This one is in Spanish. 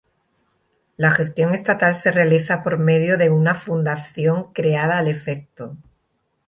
La gestión estatal se realiza por medio de una fundación creada al efecto.